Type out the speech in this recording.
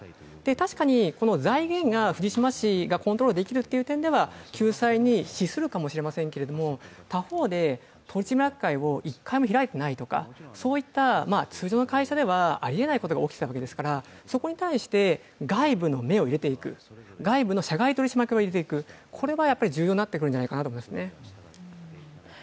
確かに、財源が藤島氏がコントロールできるという点では救済に資するかもしれませんが、他方で、取締役会を１回も開いていないとか、通常の会社ではありえないことが起きたわけですから、そこに対して外部の目を入れていく、外部の社外取締役を入れていく、これは重要になってくるんじゃないかと思います。